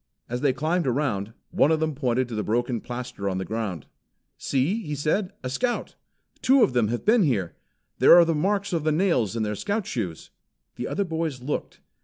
As they climbed around, one of them pointed to the broken plaster on the ground. "See!" he said. "A Scout! Two of them have been here. There are the marks of the nails in their Scout shoes." The other boys looked.